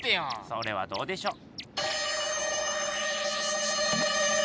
それはどうでしょう？